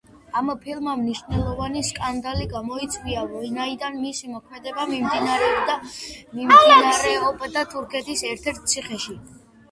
ამ ფილმმა მნიშვნელოვანი სკანდალი გამოიწვია, ვინაიდან მისი მოქმედება მიმდინარეობდა თურქეთის ერთ-ერთ ციხეში.